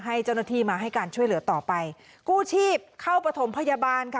ให้เจ้าหน้าที่มาให้การช่วยเหลือต่อไปกู้ชีพเข้าประถมพยาบาลค่ะ